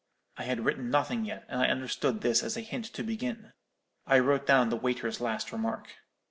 "'I had written nothing yet, and I understood this as a hint to begin. I wrote down the waiter's last remark.